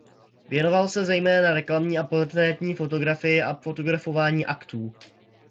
Věnoval se zejména reklamní a portrétní fotografii a fotografování aktů.